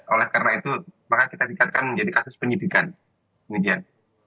oleh karena itu maka kita dikatakan menjadi kasus penyelidikan